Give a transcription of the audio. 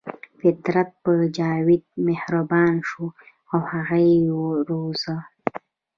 فطرت په جاوید مهربان شو او هغه یې وروزه